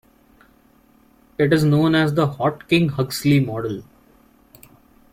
It is known as the Hodgkin-Huxley model.